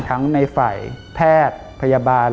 ทั้งในฝ่ายแพทย์พยาบาล